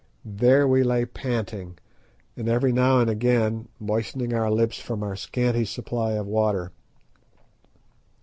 There we lay panting, and every now and again moistening our lips from our scanty supply of water.